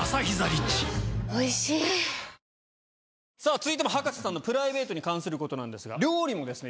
続いても葉加瀬さんのプライベートに関することなんですが料理もですね